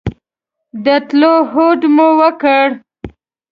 د تلو هوډ مو وکړ.